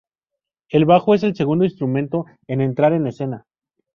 El bajo es el segundo instrumento en entrar en escena.